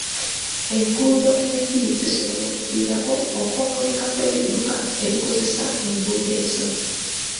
Enguudo embi zisobola okuviirako okwonooneka kw'ebidduka ebikozesa enguudo ezo.